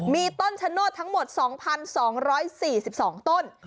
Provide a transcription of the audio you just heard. มีต้นชะโนธทั้งหมด๒๒๔๒ต้น